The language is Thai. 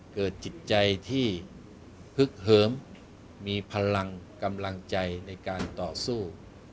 เกิดจิตใจที่พึกเหิมมีพลังกำลังใจในการต่อสู้